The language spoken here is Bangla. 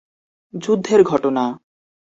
যুদ্ধের ঘটনা।